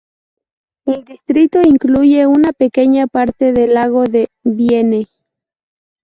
El distrito incluye una pequeña parte del lago de Bienne.